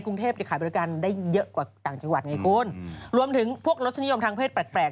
หรือหลวมถึงพวกลสรินิยมทางเพศแปลก